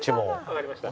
わかりました。